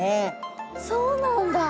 そうなんだ！